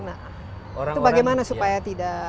itu bagaimana supaya tidak